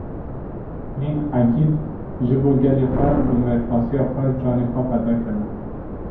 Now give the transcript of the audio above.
Yên egît ji bo gelê xwe bi mêrxasiya xwe, canê xwe feda kirine